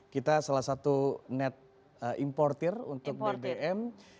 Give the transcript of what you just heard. kita salah satu net importer untuk bbm